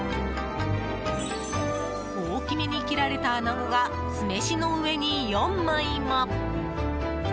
大きめに切られた穴子が酢飯の上に４枚も。